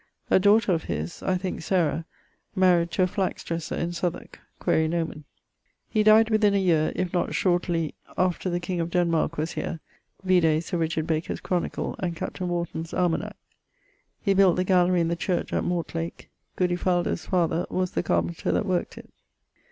A daughter of his (I thinke, Sarah) maried to a flax dresser, in Southwarke: quaere nomen. He dyed within a yeare, if not shortly, after the king of Denmark was here: vide Sir Richard Baker's Chronicle and Capt. Wharton's Almanac. He built the gallery in the church at Mortlak. Goody Faldo's father was the carpenter that work't it.